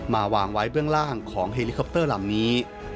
วางไว้เบื้องล่างของเฮลิคอปเตอร์ลำนี้